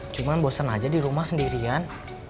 cuma bosen aja di rumah sendirian